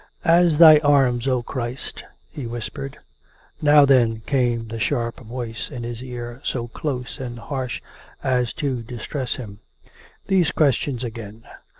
..." As Thy arms, O Christ ..." he whispered. " Now then," came the sharp voice in his ear, so close and harsh as to distress him. " These questions again